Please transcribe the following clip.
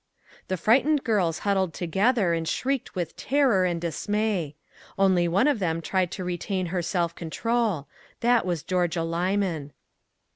The frightened girls huddled together and shrieked with terror and dismay. Only one of 235 MAG AND MARGARET them tried to retain her self control; that was Georgia Lyman.